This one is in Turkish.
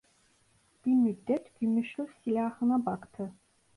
Bir müddet gümüşlü silahına baktı.